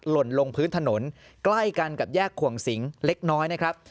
หล่นลงพื้นถนนใกล้กันกับแยกขวงสิงเล็กน้อยนะครับ